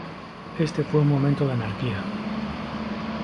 Este fue un momento de anarquía.